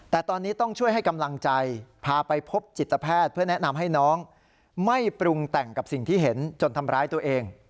แต่ตอนนี้ต้องช่วยให้กำลังใจพาไปพบจิตแพทย์เพื่อแนะนำให้น้องไม่ปรุงแต่งกับสิ่งที่เห็นจนทำร้ายตัวเอง